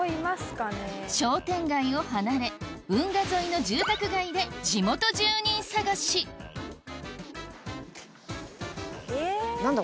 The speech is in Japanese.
商店街を離れ運河沿いの住宅街で地元住人探し何だ？